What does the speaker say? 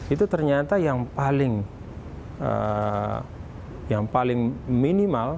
itu ternyata yang paling minimal